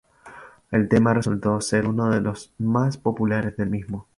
El tema resultó ser uno de los más populares del mismo.